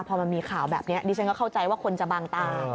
พอมันมีข่าวแบบนี้ดิฉันก็เข้าใจว่าคนจะบางตา